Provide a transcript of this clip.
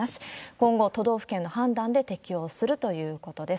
今後、都道府県の判断で適用するということです。